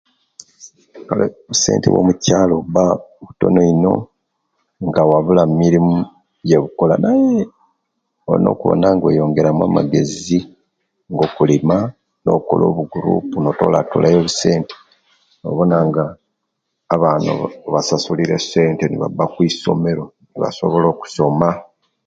Kale Obusente obwo mukyalo buba butono ino nga bubuula mirimu eje'bukola nayee olina okuwona nga oyongeramu amagezi aga okulima n'okola obugurup notolatoola yo obussente nobona nga abaana obasasuliire essente nibaba okwisomero, basowola okusoma.